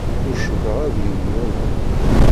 Ur cukkeɣ ad yili yuḍen.